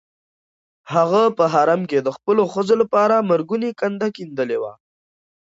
هغه په حرم کې د خپلو ښځو لپاره مرګونې کنده کیندلې وه.